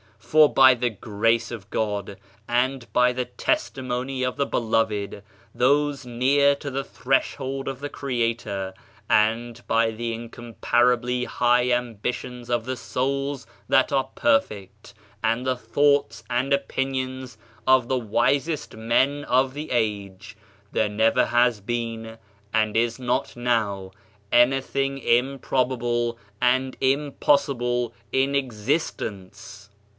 For by the grace of God, and by the testimony of the be loved, those near to the threshold of die Creator, and by the incomparably high ambitions of the souU diat are perfect, and the thoughts and opin ions of the wisest men of the age, there never has been and is not now anything improbable and im possible in existence.